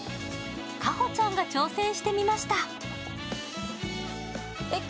夏帆ちゃんが挑戦してみました。